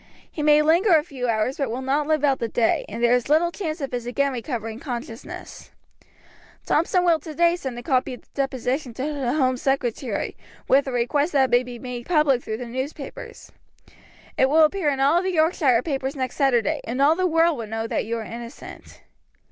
He may linger a few hours, but will not live out the day, and there is little chance of his again recovering consciousness. Thompson will today send a copy of the deposition to the home secretary, with a request that it may be made public through the newspapers. It will appear in all the Yorkshire papers next Saturday, and all the world will know that you are innocent."